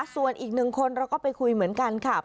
ส่วนอีกหนึ่งคนเราก็ไปคุยเหมือนกันค่ะ